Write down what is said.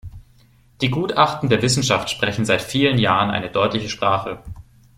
Die Gutachten der Wissenschaft sprechen seit vielen Jahren eine deutliche Sprache.